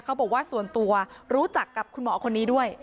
เขาบอกว่าส่วนตัวรู้จักกับคุณหมอคนนี้ด้วย